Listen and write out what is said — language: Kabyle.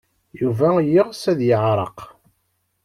Yuba yeɣs ad yeɛreq.